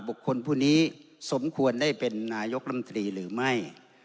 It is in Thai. ผู้นี้สมควรได้เป็นนายกรรมตรีหรือไม่